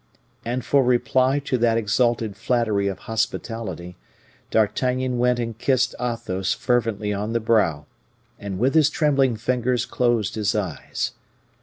And for reply to that exalted flattery of hospitality, D'Artagnan went and kissed Athos fervently on the brow, and with his trembling fingers closed his eyes.